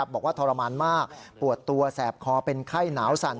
บอกว่าทรมานมากปวดตัวแสบคอเป็นไข้หนาวสั่น